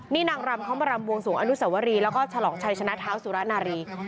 นี่นางรำเขามารำบวงสวงอนุสวรีแล้วก็ฉลองชัยชนะเท้าสุรนารี